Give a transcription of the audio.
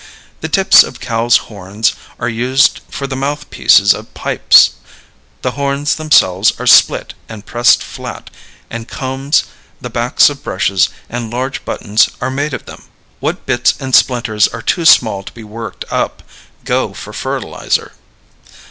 The tips of cows' horns are used for the mouthpieces of pipes; the horns themselves are split and pressed flat, and combs, the backs of brushes, and large buttons are made of them. What bits and splinters are too small to be worked up go for fertilizer.